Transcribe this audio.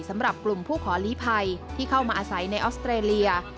สำหรับกลุ่มผู้ขอลีภัยที่เข้ามาอาศัยในออสเตรเลีย